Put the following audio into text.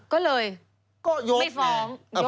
ก็เลยไม่ฟ้อง